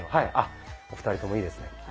お二人ともいいですね。